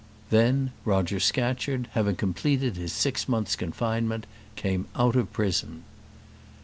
Then Roger Scatcherd, having completed his six months' confinement, came out of prison.